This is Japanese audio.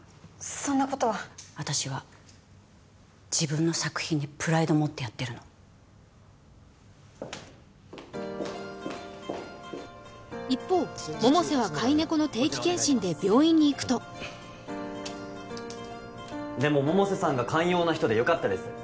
そんなことは私は自分の作品にプライド持ってやってるの一方百瀬は飼い猫の定期健診で病院に行くとでも百瀬さんが寛容な人でよかったです